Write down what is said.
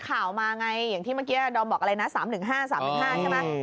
ข่าวมาไงอย่างที่เมื่อกี้ดอมบอกอะไรนะ๓๑๕๓๑๕ใช่ไหม